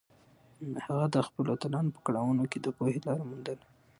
هغه د خپلو اتلانو په کړاوونو کې د پوهې لاره موندله.